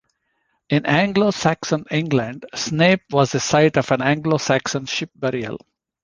In Anglo-Saxon England, Snape was the site of an Anglo-Saxon ship burial.